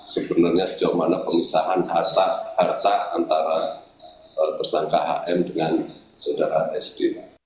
sebenarnya sejauh mana pengisahan harta harta antara tersangka hm dengan saudara sd